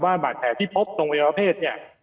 ว่าบาดแผลที่พบตรงวัยวะเพศ